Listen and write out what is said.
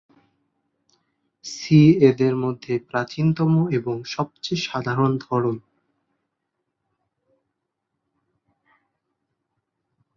C এদের মধ্যে প্রাচীনতম এবং সবচেয়ে সাধারণ ধরন।